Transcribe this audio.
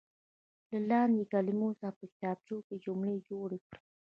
له لاندې کلمو څخه په کتابچو کې جملې جوړې کړئ.